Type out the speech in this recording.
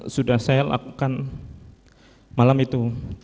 sudah saya lakukan malam itu